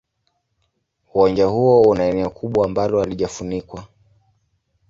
Uwanja huo una eneo kubwa ambalo halijafunikwa.